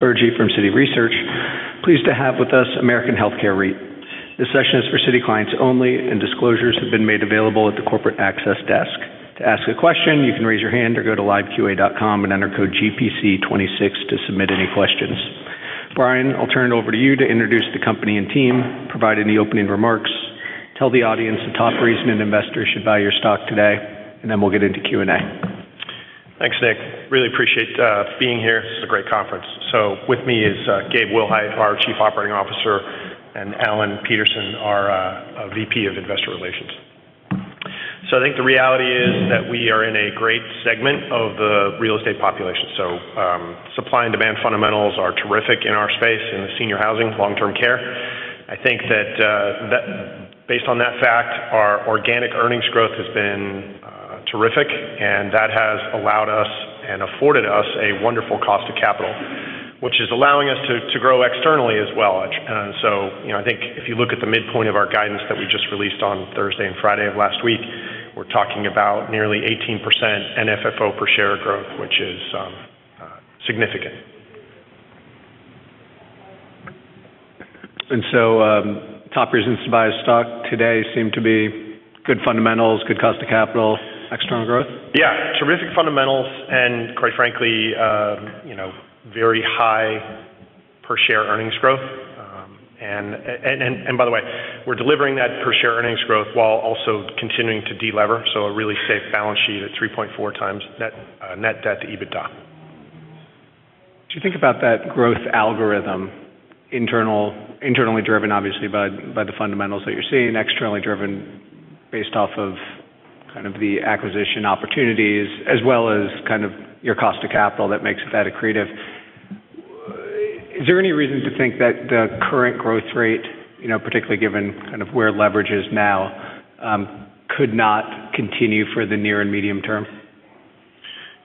From Citi Research. Pleased to have with us American Healthcare REIT. This session is for Citi clients only, and disclosures have been made available at the corporate access desk. To ask a question, you can raise your hand or go to liveqa.com and enter code GPC26 to submit any questions. Brian, I'll turn it over to you to introduce the company and team, provide any opening remarks, tell the audience the top reason an investor should buy your stock today, and then we'll get into Q&A. Thanks, Nick. Really appreciate being here. This is a great conference. With me is Gabe Willhite, our Chief Operating Officer, and Alan Peterson, our VP of Investor Relations. I think the reality is that we are in a great segment of the real estate population. Supply and demand fundamentals are terrific in our space in the senior housing long-term care. I think that based on that fact, our organic earnings growth has been terrific, and that has allowed us and afforded us a wonderful cost of capital, which is allowing us to grow externally as well. You know, I think if you look at the midpoint of our guidance that we just released on Thursday and Friday of last week, we're talking about nearly 18% NFFO per share growth, which is significant. Top reasons to buy a stock today seem to be good fundamentals, good cost to capital, external growth. Yeah. Terrific fundamentals and quite frankly, you know, very high per share earnings growth. By the way, we're delivering that per share earnings growth while also continuing to deliver. A really safe balance sheet at 3.4 times net debt to EBITDA. Do you think about that growth algorithm internally driven obviously by the fundamentals that you're seeing, externally driven based off of kind of the acquisition opportunities as well as kind of your cost to capital that makes that accretive. Is there any reason to think that the current growth rate, you know, particularly given kind of where leverage is now, could not continue for the near and medium term?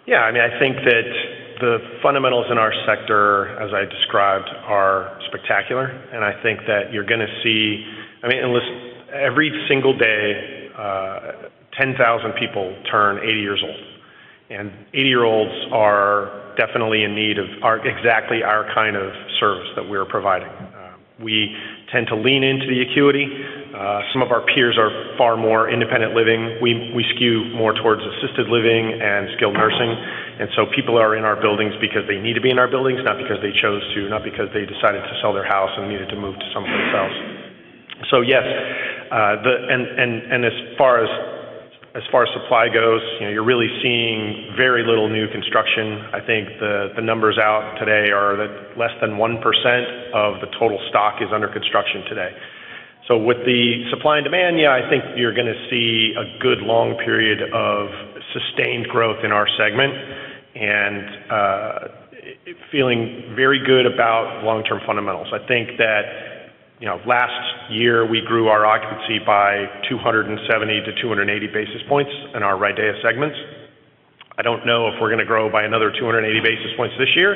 Yeah. I mean, I think that the fundamentals in our sector, as I described, are spectacular. I think that you're gonna see... I mean, unless every single day, 10,000 people turn 80 years old, and 80-year-olds are definitely in need of exactly our kind of service that we're providing. We tend to lean into the acuity. Some of our peers are far more independent living. We skew more towards assisted living and skilled nursing, people are in our buildings because they need to be in our buildings, not because they chose to, not because they decided to sell their house and needed to move to someplace else. Yes, as far as supply goes, you know, you're really seeing very little new construction. I think the numbers out today are that less than 1% of the total stock is under construction today. With the supply and demand, yeah, I think you're gonna see a good long period of sustained growth in our segment and feeling very good about long-term fundamentals. I think that, you know, last year we grew our occupancy by 270 - 280 basis points in our RIDEA segments. I don't know if we're gonna grow by another 280 basis points this year,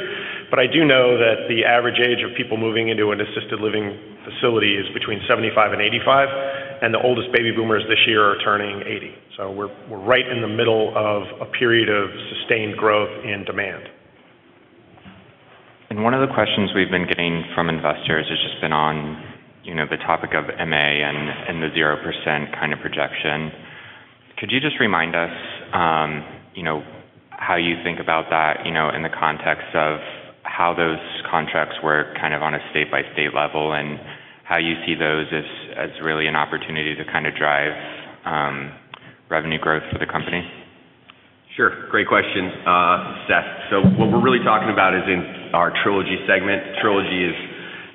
but I do know that the average age of people moving into an assisted living facility is between 75 and 85, and the oldest baby boomers this year are turning 80. We're right in the middle of a period of sustained growth and demand. One of the questions we've been getting from investors has just been on, you know, the topic of MA and the 0% kind of projection. Could you just remind us, you know, how you think about that, you know, in the context of how those contracts work kind of on a state-by-state level and how you see those as really an opportunity to kind of drive, revenue growth for the company? Sure. Great question, Seth. What we're really talking about is in our Trilogy segment. Trilogy is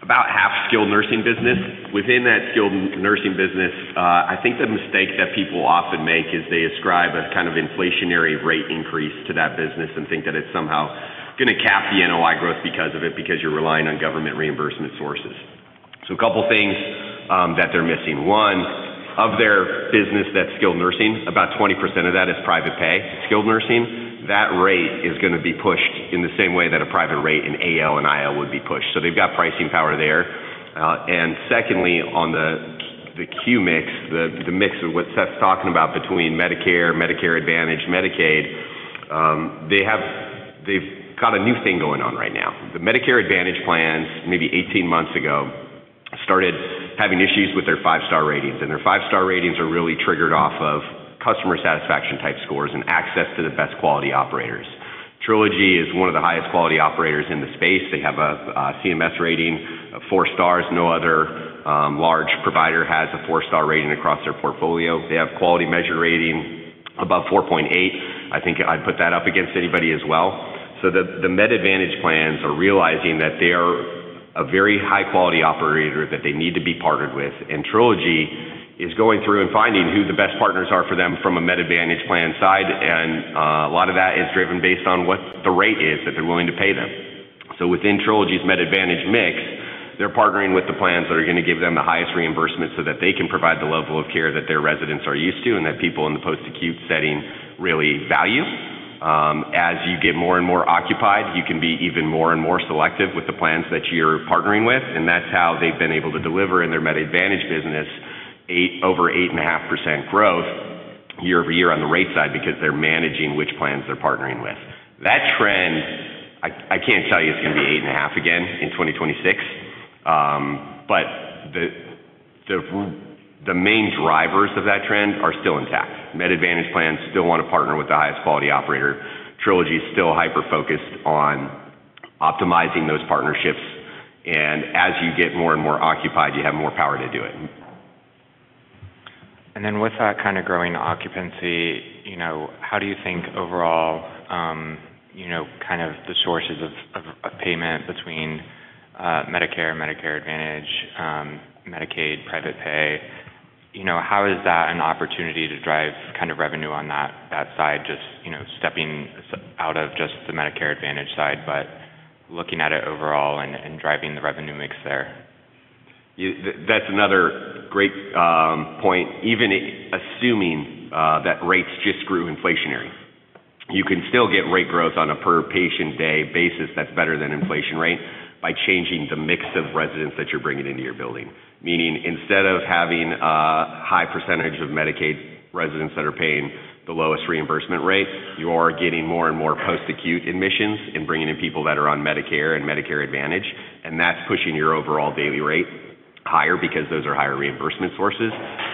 about half skilled nursing business. Within that skilled nursing business, I think the mistake that people often make is they ascribe a kind of inflationary rate increase to that business and think that it's somehow gonna cap the NOI growth because of it, because you're relying on government reimbursement sources. A couple of things that they're missing. One, of their business, that's skilled nursing, about 20% of that is private pay, skilled nursing. That rate is gonna be pushed in the same way that a private rate in AL and IL would be pushed. They've got pricing power there. Secondly, on the Q Mix, the mix of what Seth's talking about between Medicare Advantage, Medicaid, they've got a new thing going on right now. The Medicare Advantage plans, maybe 18 months ago, started having issues with their Five-Star ratings, and their Five-Star ratings are really triggered off of customer satisfaction type scores and access to the best quality operators. Trilogy is one of the highest quality operators in the space. They have a CMS rating of four stars. No other large provider has a Four-Star rating across their portfolio. They have Quality Measures rating above 4.8. I think I'd put that up against anybody as well. The Med Advantage plans are realizing that they are a very high-quality operator that they need to be partnered with, and Trilogy is going through and finding who the best partners are for them from a Med Advantage plan side. A lot of that is driven based on what the rate is that they're willing to pay them. Within Trilogy's Med Advantage mix, they're partnering with the plans that are gonna give them the highest reimbursement so that they can provide the level of care that their residents are used to and that people in the post-acute setting really value. As you get more and more occupied, you can be even more and more selective with the plans that you're partnering with, and that's how they've been able to deliver in their Med Advantage business over 8.5% growth. Year-over-year on the rate side because they're managing which plans they're partnering with. That trend, I can't tell you it's gonna be 8.5 again in 2026, but the main drivers of that trend are still intact. Med Advantage plans still wanna partner with the highest quality operator. Trilogy is still hyper-focused on optimizing those partnerships, and as you get more and more occupied, you have more power to do it. With that kind of growing occupancy, you know, how do you think overall, you know, kind of the sources of payment between, Medicare Advantage, Medicaid, private pay, you know, how is that an opportunity to drive kind of revenue on that side, just, you know, stepping out of just the Medicare Advantage side, but looking at it overall and driving the revenue mix there? That's another great point. Even assuming that rates just grew inflationary, you can still get rate growth on a per patient day basis that's better than inflation rate by changing the mix of residents that you're bringing into your building. Meaning instead of having a high percentage of Medicaid residents that are paying the lowest reimbursement rate, you are getting more and more post-acute admissions and bringing in people that are on Medicare and Medicare Advantage, and that's pushing your overall daily rate higher because those are higher reimbursement sources.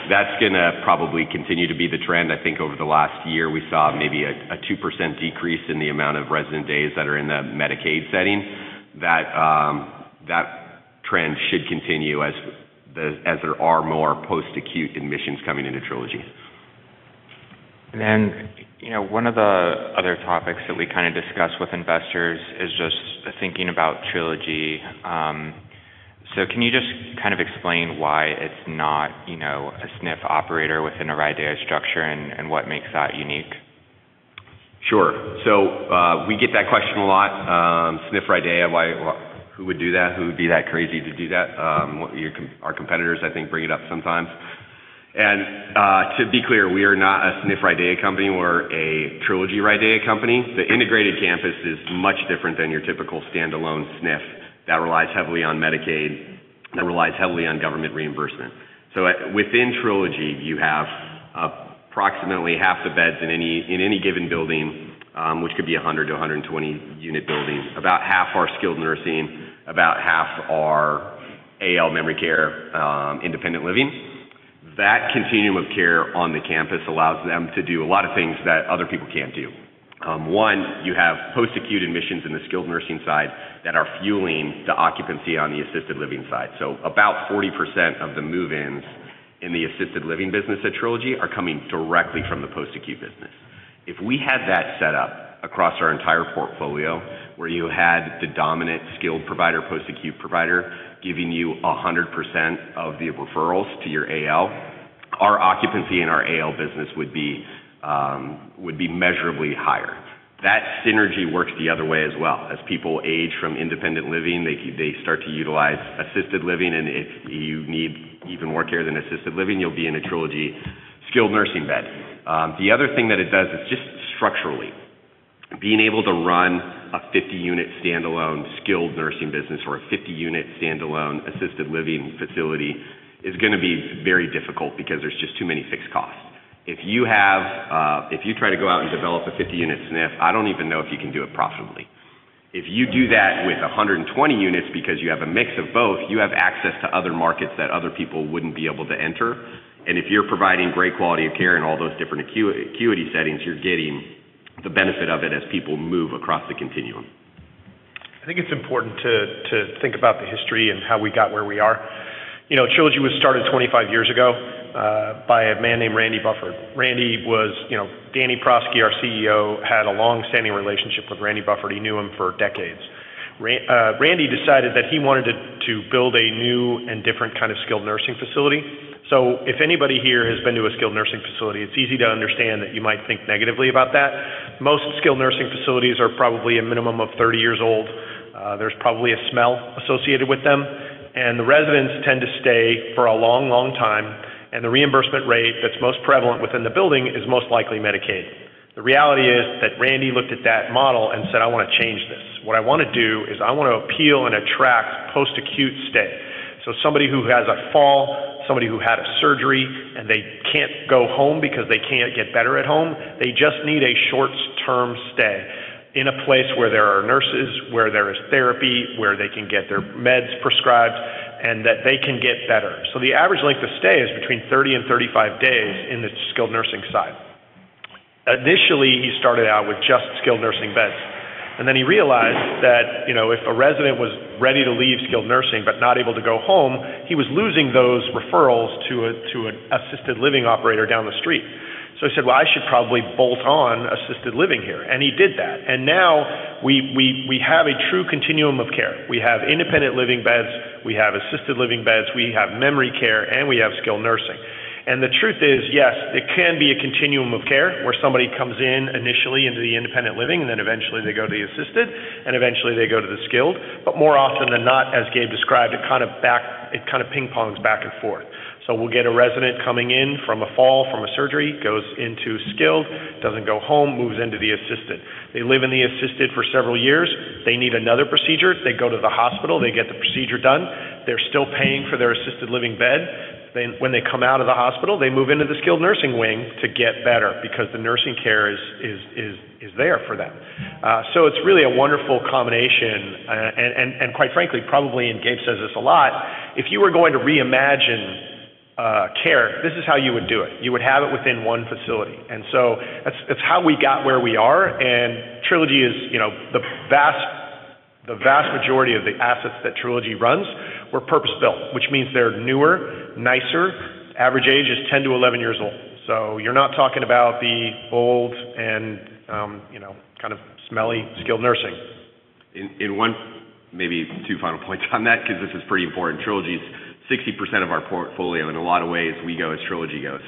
That's gonna probably continue to be the trend. I think over the last year, we saw maybe a 2% decrease in the amount of resident days that are in the Medicaid setting. That trend should continue as there are more post-acute admissions coming into Trilogy. You know, one of the other topics that we kinda discuss with investors is just thinking about Trilogy. Can you just kind of explain why it's not, you know, a SNF operator within a RIDEA structure and what makes that unique? Sure. We get that question a lot. SNF RIDE, Who would do that? Who would be that crazy to do that? Our competitors, I think, bring it up sometimes. To be clear, we are not a SNF RIDE company, we're a Trilogy RIDE company. The integrated campus is much different than your typical standalone SNF that relies heavily on Medicaid, that relies heavily on government reimbursement. Within Trilogy, you have approximately half the beds in any, in any given building, which could be 100-120 unit buildings. About half are skilled nursing, about half are AL memory care, independent living. That continuum of care on the campus allows them to do a lot of things that other people can't do. One, you have post-acute admissions in the skilled nursing side that are fueling the occupancy on the assisted living side. About 40% of the move-ins in the assisted living business at Trilogy are coming directly from the post-acute business. If we had that set up across our entire portfolio, where you had the dominant skilled provider, post-acute provider, giving you 100% of the referrals to your AL, our occupancy in our AL business would be measurably higher. That synergy works the other way as well. As people age from independent living, they start to utilize assisted living, and if you need even more care than assisted living, you'll be in a Trilogy skilled nursing bed. The other thing that it does is just structurally. Being able to run a 50-unit standalone skilled nursing business or a 50-unit standalone assisted living facility is gonna be very difficult because there's just too many fixed costs. If you have, if you try to go out and develop a 50-unit SNF, I don't even know if you can do it profitably. If you do that with 120 units because you have a mix of both, you have access to other markets that other people wouldn't be able to enter. If you're providing great quality of care in all those different acuity settings, you're getting the benefit of it as people move across the continuum. I think it's important to think about the history and how we got where we are. You know, Trilogy was started 25 years ago by a man named Randy Bufford. Danny Prosky, our CEO, had a long-standing relationship with Randy Bufford. He knew him for decades. Randy decided that he wanted to build a new and different kind of skilled nursing facility. If anybody here has been to a skilled nursing facility, it's easy to understand that you might think negatively about that. Most skilled nursing facilities are probably a minimum of 30 years old. There's probably a smell associated with them, and the residents tend to stay for a long, long time, and the reimbursement rate that's most prevalent within the building is most likely Medicaid. The reality is that Randy looked at that model and said, "I wanna change this. What I wanna do is I wanna appeal and attract post-acute stay." Somebody who has a fall, somebody who had a surgery, and they can't go home because they can't get better at home, they just need a short-term stay in a place where there are nurses, where there is therapy, where they can get their meds prescribed, and that they can get better. The average length of stay is between 30 and 35 days in the skilled nursing side. Initially, he started out with just skilled nursing beds, and then he realized that, you know, if a resident was ready to leave skilled nursing but not able to go home, he was losing those referrals to an assisted living operator down the street. He said, "Well, I should probably bolt on assisted living here." He did that. Now we have a true continuum of care. We have independent living beds, we have assisted living beds, we have memory care, and we have skilled nursing. The truth is, yes, it can be a continuum of care where somebody comes in initially into the independent living, and then eventually they go to the assisted, and eventually they go to the skilled. More often than not, as Gabe described, it kind of ping-pongs back and forth. We'll get a resident coming in from a fall, from a surgery, goes into skilled, doesn't go home, moves into the assisted. They live in the assisted for several years. They need another procedure. They go to the hospital, they get the procedure done. They're still paying for their assisted living bed. When they come out of the hospital, they move into the skilled nursing wing to get better because the nursing care is there for them. It's really a wonderful combination. Quite frankly, probably, and Gabe says this a lot, if you were going to reimagine care, this is how you would do it. You would have it within one facility. That's how we got where we are. Trilogy is, you know, the vast majority of the assets that Trilogy runs were purpose-built, which means they're newer, nicer. Average age is 10 - 11 years old. You're not talking about the old and, you know, kind of smelly skilled nursing. In one, maybe two final points on that, 'cause this is pretty important. Trilogy is 60% of our portfolio. In a lot of ways, we go as Trilogy goes.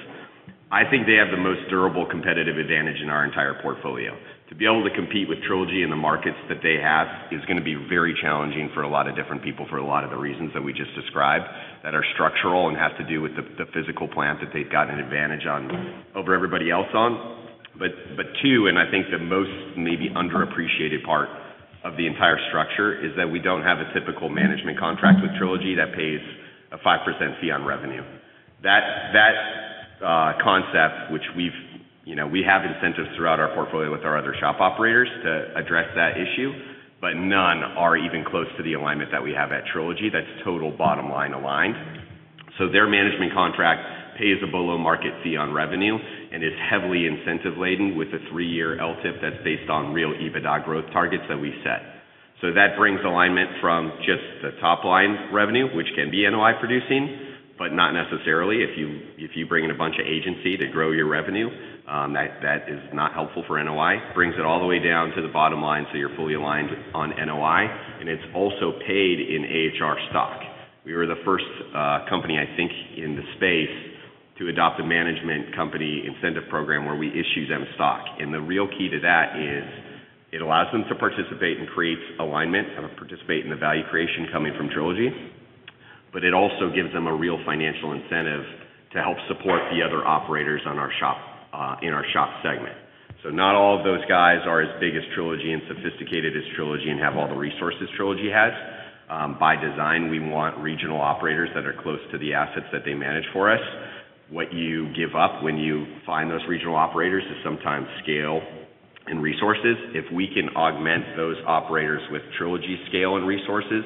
I think they have the most durable competitive advantage in our entire portfolio. To be able to compete with Trilogy in the markets that they have is gonna be very challenging for a lot of different people for a lot of the reasons that we just described that are structural and have to do with the physical plant that they've got an advantage over everybody else on. Two, and I think the most maybe underappreciated part of the entire structure is that we don't have a typical management contract with Trilogy that pays a 5% fee on revenue. That concept, which you know, we have incentives throughout our portfolio with our other SHOP operators to address that issue, but none are even close to the alignment that we have at Trilogy that's total bottom line aligned. Their management contract pays a below-market fee on revenue and is heavily incentive-laden with a 3-year LTIP that's based on real EBITDA growth targets that we set. That brings alignment from just the top-line revenue, which can be NOI-producing, but not necessarily. If you bring in a bunch of agency to grow your revenue, that is not helpful for NOI. Brings it all the way down to the bottom line, so you're fully aligned on NOI, and it's also paid in AHR stock. We were the first company, I think, in the space to adopt a management company incentive program where we issue them stock. The real key to that is it allows them to participate and create alignment, participate in the value creation coming from Trilogy, but it also gives them a real financial incentive to help support the other operators on our SHOP, in our SHOP segment. Not all of those guys are as big as Trilogy and sophisticated as Trilogy and have all the resources Trilogy has. By design, we want regional operators that are close to the assets that they manage for us. What you give up when you find those regional operators is sometimes scale and resources. If we can augment those operators with Trilogy scale and resources,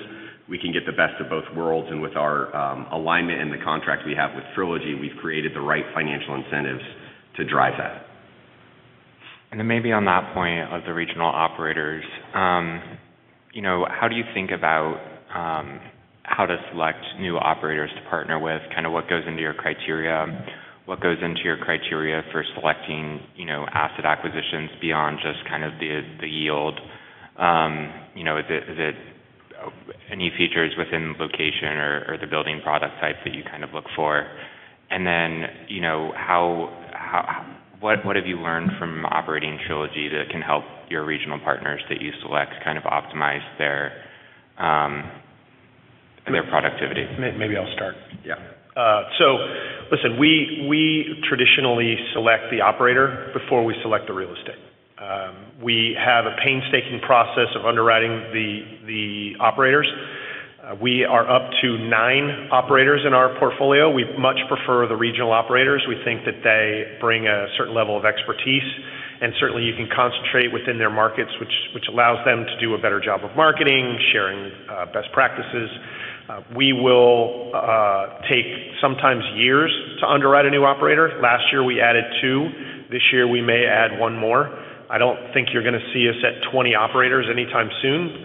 we can get the best of both worlds. With our alignment and the contract we have with Trilogy, we've created the right financial incentives to drive that. Maybe on that point of the regional operators, you know, how do you think about how to select new operators to partner with? Kind of what goes into your criteria? What goes into your criteria for selecting, you know, asset acquisitions beyond just kind of the yield? You know, is it any features within location or the building product type that you kind of look for? You know, what have you learned from operating Trilogy that can help your regional partners that you select kind of optimize their productivity? Maybe I'll start. Yeah. Listen, we traditionally select the operator before we select the real estate. We have a painstaking process of underwriting the operators. We are up to nine operators in our portfolio. We much prefer the regional operators. We think that they bring a certain level of expertise, and certainly, you can concentrate within their markets, which allows them to do a better job of marketing, sharing, best practices. We will take sometimes years to underwrite a new operator. Last year, we added two. This year, we may add one more. I don't think you're gonna see us at 20 operators anytime soon,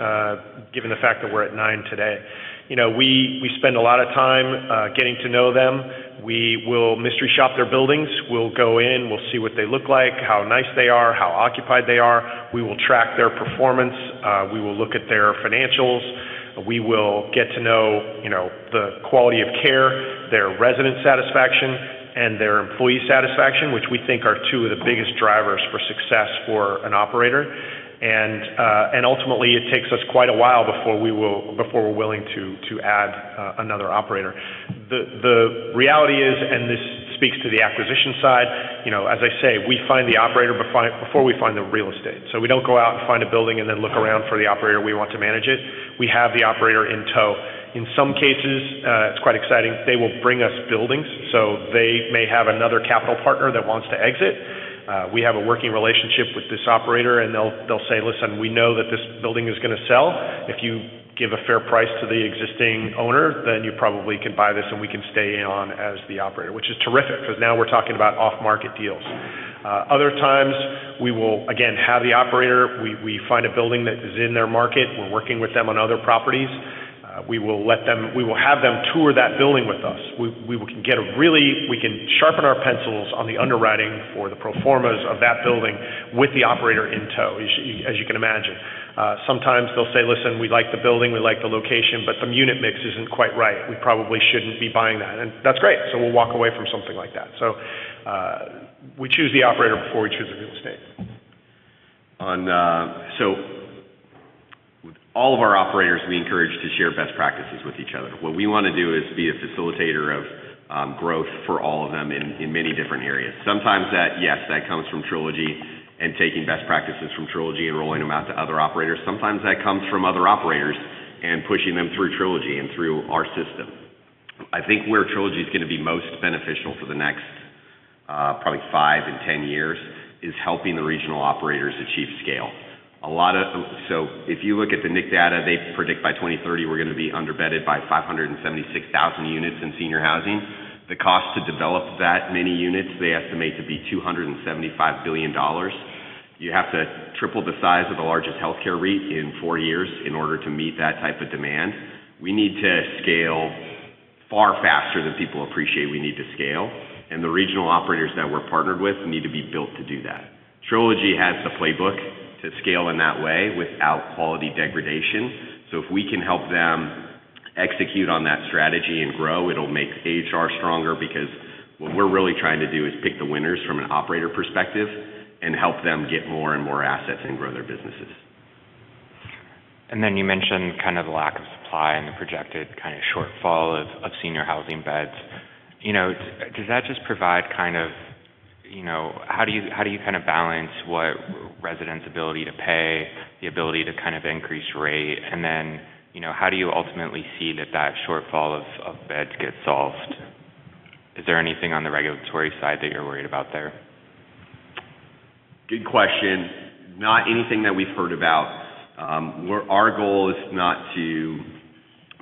given the fact that we're at nine today. You know, we spend a lot of time getting to know them. We will mystery shop their buildings. We'll go in, we'll see what they look like, how nice they are, how occupied they are. We will track their performance. We will look at their financials. We will get to know, you know, the quality of care, their resident satisfaction, and their employee satisfaction, which we think are two of the biggest drivers for success for an operator. Ultimately, it takes us quite a while before we're willing to add another operator. The reality is, and this speaks to the acquisition side, you know, as I say, we find the operator before we find the real estate. We don't go out and find a building and then look around for the operator we want to manage it. We have the operator in tow. In some cases, it's quite exciting. They will bring us buildings. They may have another capital partner that wants to exit. We have a working relationship with this operator, and they'll say, "Listen, we know that this building is gonna sell. If you give a fair price to the existing owner, then you probably can buy this, and we can stay on as the operator," which is terrific because now we're talking about off-market deals. Other times, we will again have the operator. We find a building that is in their market. We're working with them on other properties. We will have them tour that building with us. We can sharpen our pencils on the underwriting or the pro formas of that building with the operator in tow, as you can imagine. Sometimes they'll say, "Listen, we like the building, we like the location, but the unit mix isn't quite right. We probably shouldn't be buying that." That's great. We'll walk away from something like that. We choose the operator before we choose the real estate. All of our operators, we encourage to share best practices with each other. What we wanna do is be a facilitator of growth for all of them in many different areas. Sometimes that, yes, that comes from Trilogy and taking best practices from Trilogy and rolling them out to other operators. Sometimes that comes from other operators and pushing them through Trilogy and through our system. I think where Trilogy is gonna be most beneficial for the next, probably five and 10 years is helping the regional operators achieve scale. If you look at the NIC data, they predict by 2030 we're gonna be underbedded by 576,000 units in senior housing. The cost to develop that many units, they estimate to be $275 billion. You have to triple the size of the largest healthcare REIT in four years in order to meet that type of demand. We need to scale far faster than people appreciate we need to scale, and the regional operators that we're partnered with need to be built to do that. Trilogy has the playbook to scale in that way without quality degradation. If we can help them execute on that strategy and grow, it'll make AHR stronger because what we're really trying to do is pick the winners from an operator perspective and help them get more and more assets and grow their businesses. Then you mentioned kind of the lack of supply and the projected kind of shortfall of senior housing beds. You know, does that just provide kind of, you know, how do you, how do you kind of balance what residents' ability to pay, the ability to kind of increase rate, and then, you know, how do you ultimately see that that shortfall of beds get solved? Is there anything on the regulatory side that you're worried about there? Good question. Not anything that we've heard about. Our goal is not to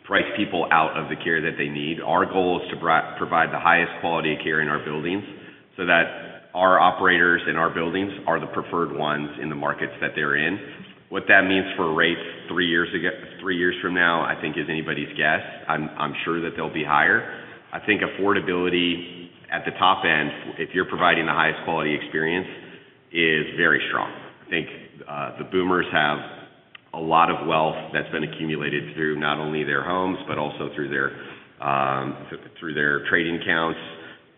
price people out of the care that they need. Our goal is to provide the highest quality of care in our buildings so that our operators in our buildings are the preferred ones in the markets that they're in. What that means for rates three years from now, I think is anybody's guess. I'm sure that they'll be higher. I think affordability at the top end, if you're providing the highest quality experience, is very strong. I think the boomers have a lot of wealth that's been accumulated through not only their homes, but also through their trading accounts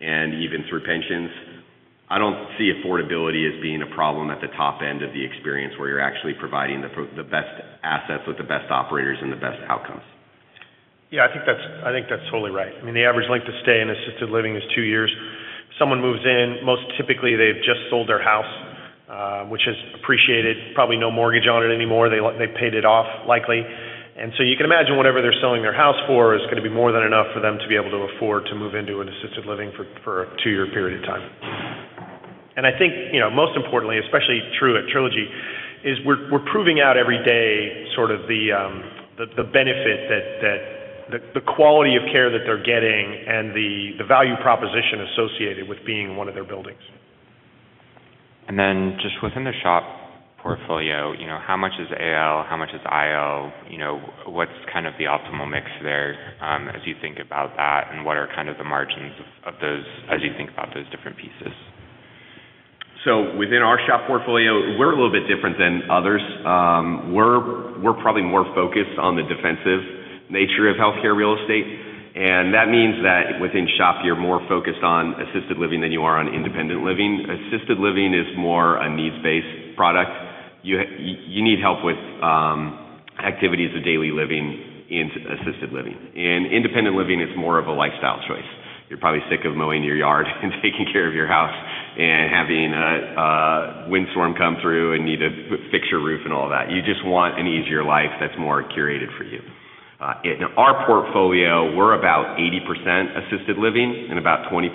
and even through pensions. I don't see affordability as being a problem at the top end of the experience where you're actually providing the best assets with the best operators and the best outcomes. Yeah. I think that's totally right. I mean, the average length of stay in assisted living is two years. Someone moves in, most typically they've just sold their house, which has appreciated, probably no mortgage on it anymore. They paid it off likely. So you can imagine whatever they're selling their house for is gonna be more than enough for them to be able to afford to move into an assisted living for a two-year period of time. I think, you know, most importantly, especially true at Trilogy, is we're proving out every day sort of the benefit that the quality of care that they're getting and the value proposition associated with being in one of their buildings. Just within the SHOP portfolio, you know, how much is AL? How much is IL? You know, what's kind of the optimal mix there, as you think about that, and what are kind of the margins of those as you think about those different pieces? Within our SHOP portfolio, we're a little bit different than others. We're probably more focused on the defensive nature of healthcare real estate, and that means that within SHOP, you're more focused on assisted living than you are on independent living. Assisted living is more a needs-based product. You need help with activities of daily living in assisted living. In independent living, it's more of a lifestyle choice. You're probably sick of mowing your yard and taking care of your house and having a windstorm come through and need to fix your roof and all that. You just want an easier life that's more curated for you. In our portfolio, we're about 80% assisted living and about 20%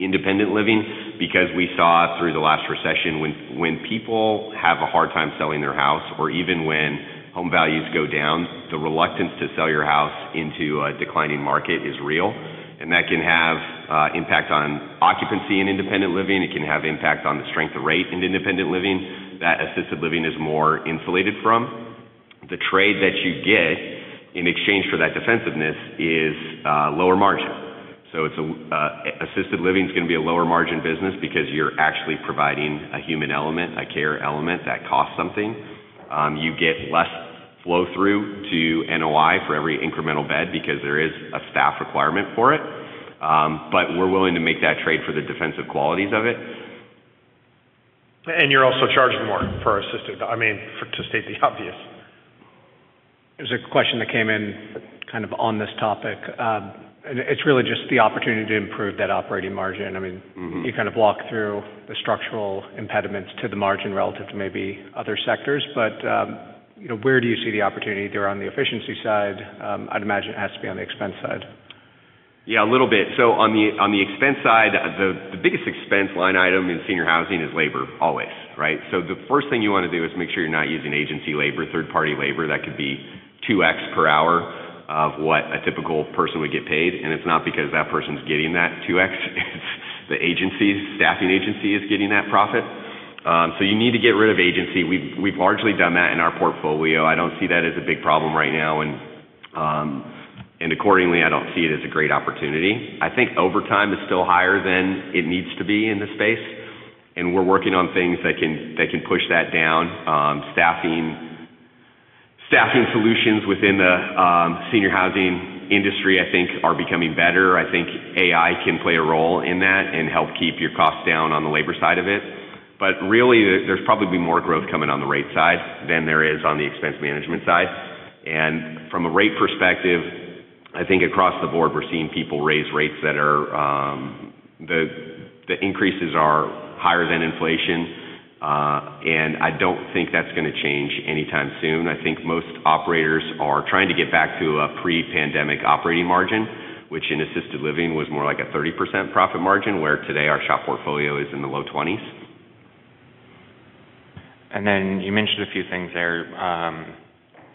independent living because we saw through the last recession when people have a hard time selling their house or even when home values go down, the reluctance to sell your house into a declining market is real, and that can have impact on occupancy in independent living. It can have impact on the strength of rate in independent living that assisted living is more insulated from. The trade that you get in exchange for that defensiveness is lower margin. Assisted living is gonna be a lower margin business because you're actually providing a human element, a care element that costs something. You get less flow through to NOI for every incremental bed because there is a staff requirement for it. We're willing to make that trade for the defensive qualities of it. You're also charging more for assisted. I mean, to state the obvious. There's a question that came in kind of on this topic. It's really just the opportunity to improve that operating margin. Mm-hmm. You kind of walk through the structural impediments to the margin relative to maybe other sectors. You know, where do you see the opportunity there on the efficiency side? I'd imagine it has to be on the expense side. Yeah, a little bit. On the expense side, the biggest expense line item in senior housing is labor always, right. The first thing you wanna do is make sure you're not using agency labor, third-party labor. That could be 2x per hour of what a typical person would get paid, and it's not because that person's getting that 2x. It's the agencies, staffing agency is getting that profit. You need to get rid of agency. We've largely done that in our portfolio. I don't see that as a big problem right now, and accordingly, I don't see it as a great opportunity. I think overtime is still higher than it needs to be in this space, and we're working on things that can push that down. Staffing solutions within the senior housing industry, I think are becoming better. I think AI can play a role in that and help keep your costs down on the labor side of it. Really, there's probably more growth coming on the rate side than there is on the expense management side. From a rate perspective, I think across the board, we're seeing people raise rates that are, the increases are higher than inflation. I don't think that's gonna change anytime soon. I think most operators are trying to get back to a pre-pandemic operating margin, which in assisted living was more like a 30% profit margin, where today our shop portfolio is in the low 20s. You mentioned a few things there,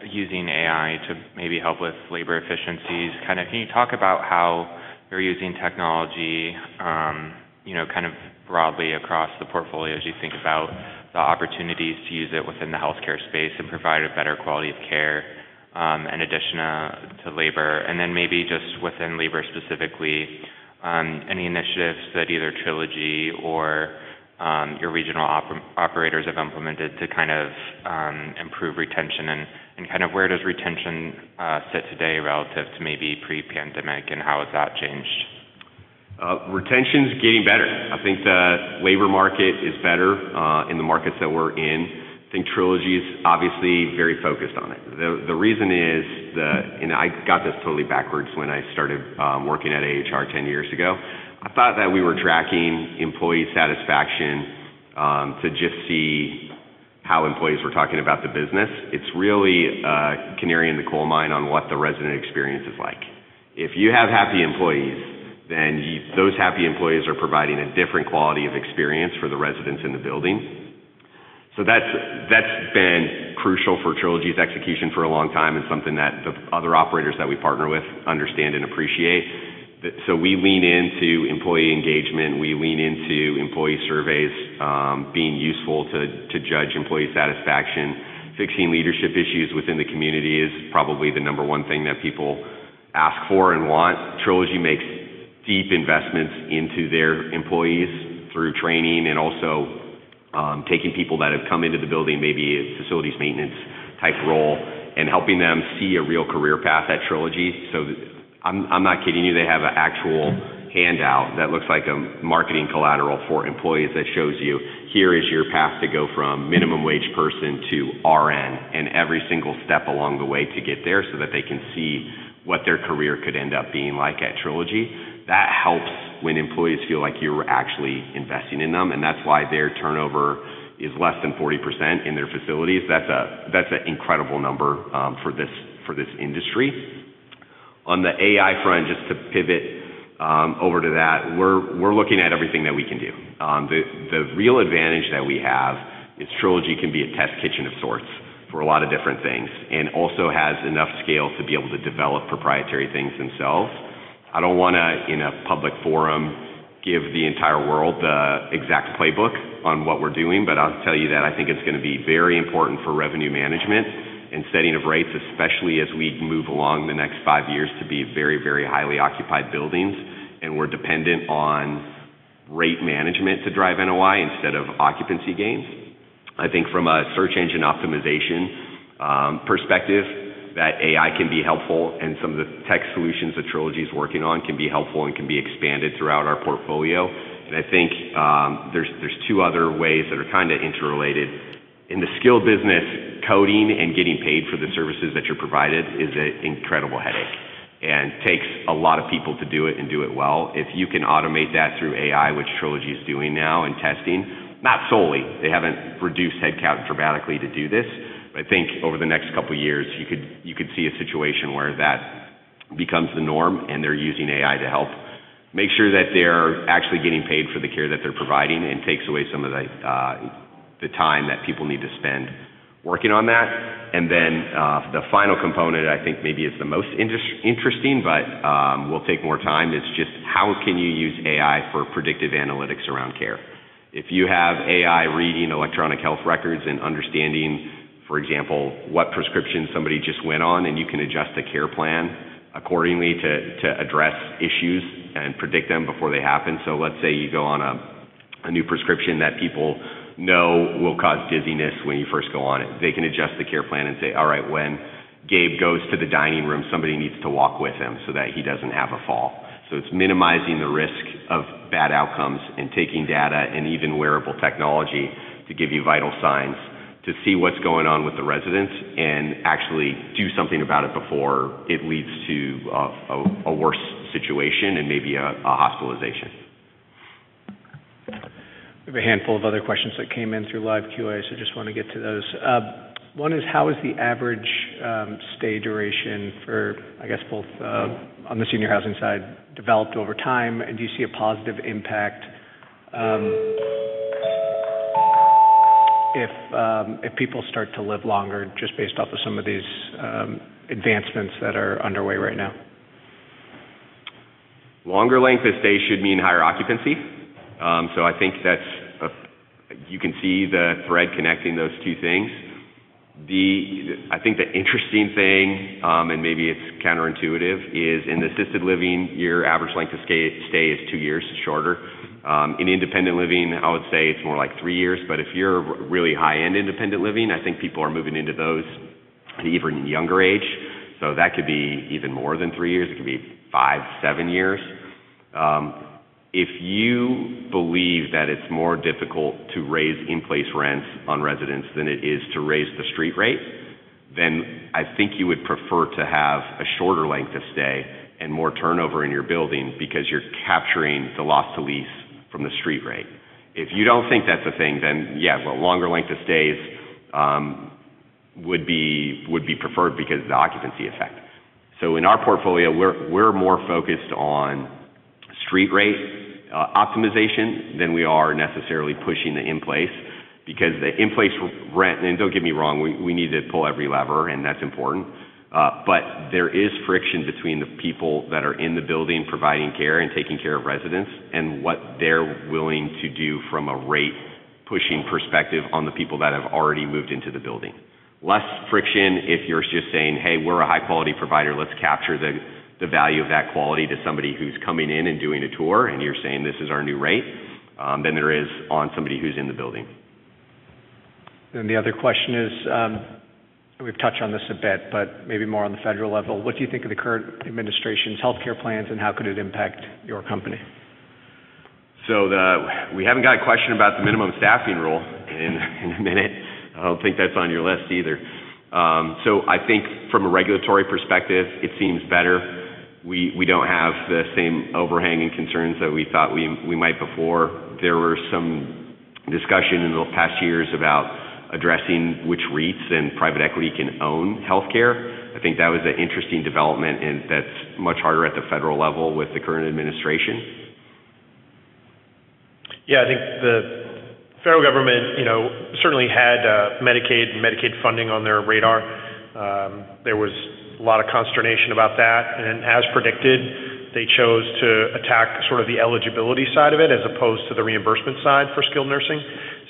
using AI to maybe help with labor efficiencies. Kind of can you talk about how you're using technology, you know, kind of broadly across the portfolio as you think about the opportunities to use it within the healthcare space and provide a better quality of care, in addition, to labor? Maybe just within labor specifically, any initiatives that either Trilogy or your regional operators have implemented to kind of, improve retention and kind of where does retention, sit today relative to maybe pre-pandemic, and how has that changed? Retention's getting better. I think the labor market is better in the markets that we're in. I think Trilogy's obviously very focused on it. The reason is that, and I got this totally backwards when I started working at AHR 10 years ago. I thought that we were tracking employee satisfaction to just see how employees were talking about the business. It's really a canary in the coal mine on what the resident experience is like. If you have happy employees, then those happy employees are providing a different quality of experience for the residents in the building. That's been crucial for Trilogy's execution for a long time and something that the other operators that we partner with understand and appreciate. We lean into employee engagement. We lean into employee surveys being useful to judge employee satisfaction. Fixing leadership issues within the community is probably the number one thing that people ask for and want. Trilogy makes deep investments into their employees through training and also, taking people that have come into the building, maybe a facilities maintenance type role, and helping them see a real career path at Trilogy. I'm not kidding you, they have a actual handout that looks like a marketing collateral for employees that shows you, here is your path to go from minimum wage person to RN, and every single step along the way to get there so that they can see what their career could end up being like at Trilogy. That helps when employees feel like you're actually investing in them, and that's why their turnover is less than 40% in their facilities. That's a incredible number for this industry. On the AI front, just to pivot, over to that, we're looking at everything that we can do. The, the real advantage that we have is Trilogy can be a test kitchen of sorts for a lot of different things, and also has enough scale to be able to develop proprietary things themselves. I don't wanna, in a public forum, give the entire world the exact playbook on what we're doing, but I'll tell you that I think it's gonna be very important for revenue management and setting of rates, especially as we move along the next five years to be very, very highly occupied buildings, and we're dependent on rate management to drive NOI instead of occupancy gains. I think from a search engine optimization perspective, that AI can be helpful, some of the tech solutions that Trilogy's working on can be helpful and can be expanded throughout our portfolio. I think, there's two other ways that are kind of interrelated. In the skilled business, coding and getting paid for the services that you're provided is a incredible headache and takes a lot of people to do it and do it well. If you can automate that through AI, which Trilogy is doing now and testing, not solely, they haven't reduced headcount dramatically to do this. I think over the next couple years, you could see a situation where that becomes the norm, and they're using AI to help make sure that they're actually getting paid for the care that they're providing and takes away some of the time that people need to spend working on that. Then, the final component I think maybe is the most interesting, but will take more time, is just how can you use AI for predictive analytics around care? If you have AI reading electronic health records and understanding, for example, what prescription somebody just went on, and you can adjust the care plan accordingly to address issues and predict them before they happen. Let's say you go on a new prescription that people know will cause dizziness when you first go on it. They can adjust the care plan and say, "All right, when Gabe goes to the dining room, somebody needs to walk with him so that he doesn't have a fall." It's minimizing the risk of bad outcomes and taking data and even wearable technology to give you vital signs to see what's going on with the residents and actually do something about it before it leads to a worse situation and maybe a hospitalization. We have a handful of other questions that came in through live QA, so just wanna get to those. One is, how has the average stay duration for, I guess, both, on the senior housing side developed over time? Do you see a positive impact, if people start to live longer just based off of some of these advancements that are underway right now? Longer length of stay should mean higher occupancy. I think that's You can see the thread connecting those two things. I think the interesting thing, and maybe it's counter intuitive, is in assisted living, your average length of stay is two years shorter. In independent living, I would say it's more like three years. If you're really high-end independent living, I think people are moving into those at an even younger age. That could be even more than three years. It could be five, seven years. If you believe that it's more difficult to raise in-place rents on residents than it is to raise the street rate. I think you would prefer to have a shorter length of stay and more turnover in your building because you're capturing the loss to lease from the street rate. If you don't think that's a thing, then yeah, the longer length of stays would be preferred because of the occupancy effect. In our portfolio, we're more focused on street rate optimization than we are necessarily pushing the in-place because the in-place rent... Don't get me wrong, we need to pull every lever, and that's important. But there is friction between the people that are in the building providing care and taking care of residents and what they're willing to do from a rate-pushing perspective on the people that have already moved into the building. Less friction if you're just saying, "Hey, we're a high-quality provider. Let's capture the value of that quality to somebody who's coming in and doing a tour," and you're saying, "This is our new rate," than there is on somebody who's in the building. The other question is, we've touched on this a bit, but maybe more on the federal level. What do you think of the current administration's healthcare plans, and how could it impact your company? We haven't got a question about the minimum staffing rule in a minute. I don't think that's on your list either. I think from a regulatory perspective, it seems better. We don't have the same overhanging concerns that we thought we might before. There were some discussion in the past years about addressing which REITs and private equity can own healthcare. I think that was an interesting development. That's much harder at the federal level with the current administration. Yeah. I think the federal government, you know, certainly had Medicaid and Medicaid funding on their radar. There was a lot of consternation about that. As predicted, they chose to attack sort of the eligibility side of it as opposed to the reimbursement side for skilled nursing.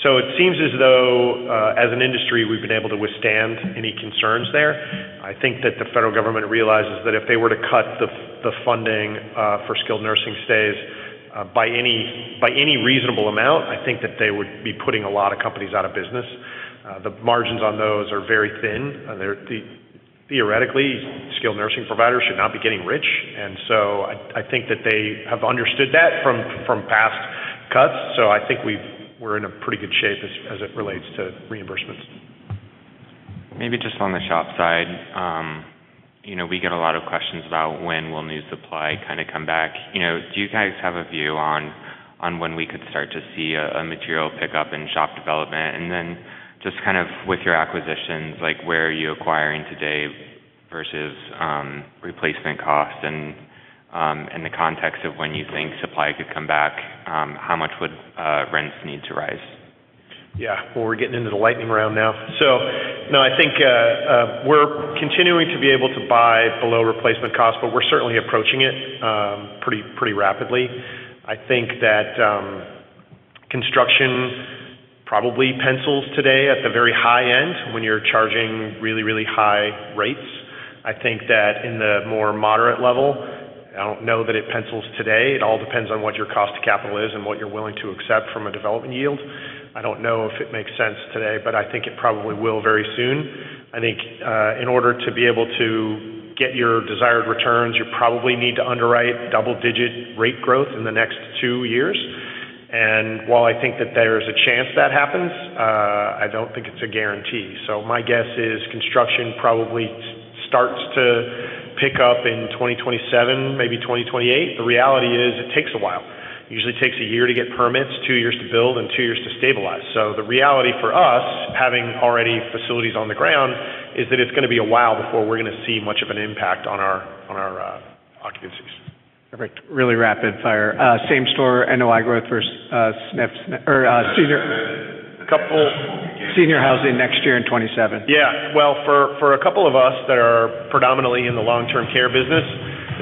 It seems as though as an industry, we've been able to withstand any concerns there. I think that the federal government realizes that if they were to cut the funding for skilled nursing stays by any reasonable amount, I think that they would be putting a lot of companies out of business. The margins on those are very thin. Theoretically, skilled nursing providers should not be getting rich. I think that they have understood that from past cuts. I think we're in a pretty good shape as it relates to reimbursements. Maybe just on the SHOP side, you know, we get a lot of questions about when will new supply kinda come back. You know, do you guys have a view on when we could start to see a material pickup in SHOP development? Then just kind of with your acquisitions, like, where are you acquiring today versus replacement cost? In the context of when you think supply could come back, how much would rents need to rise? Yeah. Well, we're getting into the lightning round now. No, I think we're continuing to be able to buy below replacement cost, but we're certainly approaching it pretty rapidly. I think that construction probably pencils today at the very high end when you're charging really, really high rates. I think that in the more moderate level, I don't know that it pencils today. It all depends on what your cost to capital is and what you're willing to accept from a development yield. I don't know if it makes sense today, but I think it probably will very soon. I think in order to be able to get your desired returns, you probably need to underwrite double-digit rate growth in the next two years. While I think that there's a chance that happens, I don't think it's a guarantee. My guess is construction probably starts to pick up in 2027, maybe 2028. The reality is it takes a while. It usually takes one year to get permits, two years to build, and two years to stabilize. The reality for us, having already facilities on the ground, is that it's gonna be a while before we're gonna see much of an impact on our occupancies. Perfect. Really rapid fire. Same store NOI growth versus, or, senior- A couple. Senior housing next year in 2027. Yeah. Well, for a couple of us that are predominantly in the long-term care business,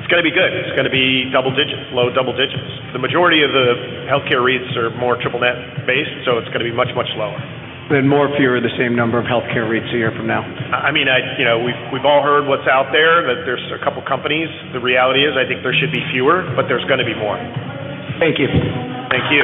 it's gonna be good. It's gonna be double digits, low double digits. The majority of the healthcare REITs are more Triple Net based, so it's gonna be much lower. More, fewer, the same number of healthcare REITs a year from now? I mean, you know, we've all heard what's out there, that there's a couple companies. The reality is I think there should be fewer, but there's gonna be more. Thank you. Thank you.